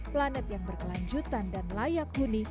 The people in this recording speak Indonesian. planet yang berkelanjutan dan layak huni